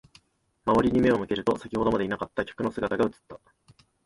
周りに目を向けると、先ほどまでいなかった客の姿が映った。